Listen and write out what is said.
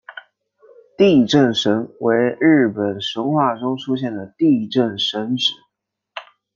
地震神为日本神话中出现的地震神只。